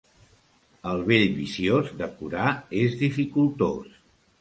El vell viciós de curar és dificultós.